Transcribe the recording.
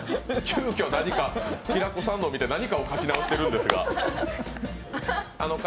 急きょ、平子さんのを見て何かを書き直しているんですが。